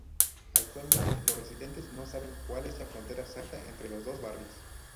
Actualmente, los residentes no saben cuál es la frontera exacta entre los dos barrios.